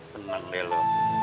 tenang deh lo